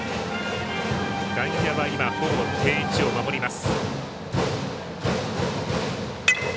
外野は今、ほぼ定位置を守ります。